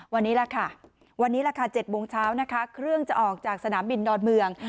วันนี้ล่ะค่ะ๗โมงเช้านะคะเครื่องจะออกจากสนามบินดอนเมือง